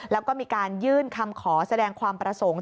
แล้วก็มีการยื่นคำขอแสดงความประสงค์